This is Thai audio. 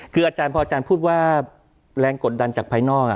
คืออาจารย์พออาจารย์พูดว่าแรงกดดันจากภายนอก